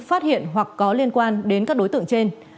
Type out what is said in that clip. phát hiện hoặc có liên quan đến các đối tượng trên